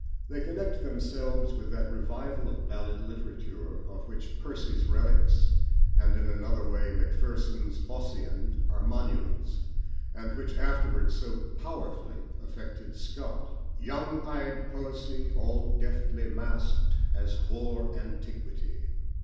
They connect themselves with that revival of ballad literature, of which Percy's Relics, and, in another way, Macpherson's Ossian are monuments, and which afterwards so powerfully affected Scott Young eyed poesy All deftly masked as hoar antiquity.